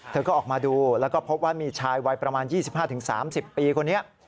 เธอก็ออกมาดูแล้วก็พบว่ามีชายวัยประมาณ๒๕๓๐ปีคนนี้